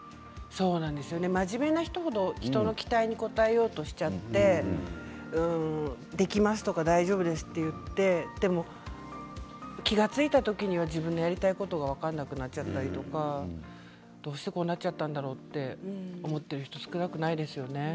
真面目な人程人の期待に応えようとしちゃってできますとか大丈夫ですと言ってでも気が付いた時には自分のやりたいことが分からなくなっちゃってるとかどうしてこうなっちゃったんだろうって思っている人少なくないですよね。